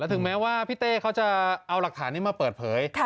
ถึงแม้ว่าพี่เต้เขาจะเอาหลักฐานนี้มาเปิดเผย